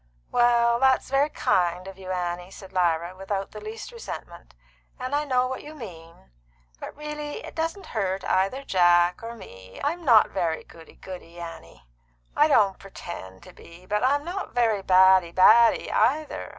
"Well, that's very kind of you, Annie," said Lyra, without the least resentment. "And I know what you mean. But it really doesn't hurt either Jack or me. I'm not very goody goody, Annie; I don't pretend to be; but I'm not very baddy baddy either.